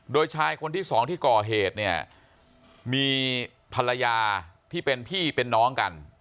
โดยชายคนที่สองที่ก่อเหตุเนี่ยมีภรรยาที่เป็นพี่เป็นน้องกัน